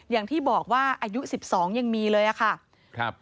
อย่างที่บอกว่าอายุ๑๒ยังมีเลยอะค่ะครับ